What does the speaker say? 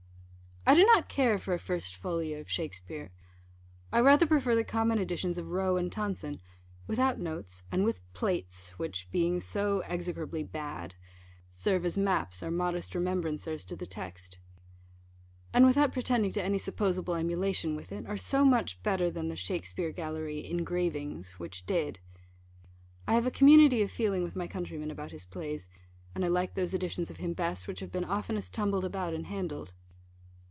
I do not care for a First Folio of Shakspeare. I rather prefer the common editions of Rowe and Tonson, without notes, and with plates, which, being so execrably bad, serve as maps, or modest remembrancers, to the text; and without pretending to any supposable emulation with it, are so much better than the Shakspeare gallery engravings, which did. I have a community of feeling with my countrymen about his Plays, and I like those editions of him best, which have been oftenest tumbled about and handled.